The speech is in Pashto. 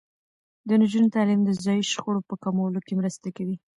د نجونو تعلیم د ځايي شخړو په کمولو کې مرسته کوي.